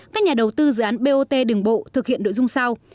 các nhà đầu tư dự án bot đường bộ thực hiện nội dung sau